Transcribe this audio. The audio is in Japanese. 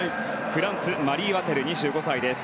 フランス、マリー・ワテル２５歳です。